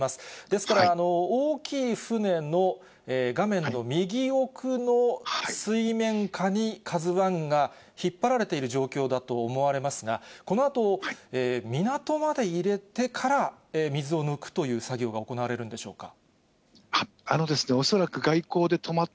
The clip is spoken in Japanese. ですから、大きい船の画面の右奥の水面下にＫＡＺＵＩが引っ張られている状況だと思われますが、このあと、港まで入れてから、水を抜くという作業が行われるんでしょうか？